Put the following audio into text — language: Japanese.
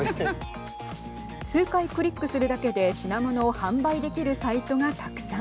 数回クリックするだけで品物を販売できるサイトがたくさん。